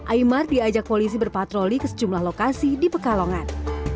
aymar diajak polisi berpatroli ke sejumlah lokasi di pekalongan